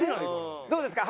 どうですか？